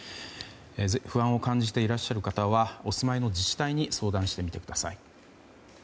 ぜひ不安を感じていらっしゃる方はお住まいの自治体に相談してみてください。